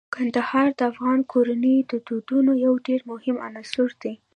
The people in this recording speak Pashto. کندهار د افغان کورنیو د دودونو یو ډیر مهم عنصر دی.